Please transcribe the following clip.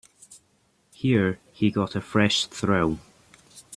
Here he got a fresh thrill.